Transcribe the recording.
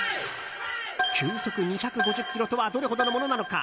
球速２５０キロとはどれほどのものなのか。